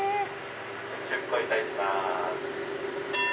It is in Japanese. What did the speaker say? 出航いたします。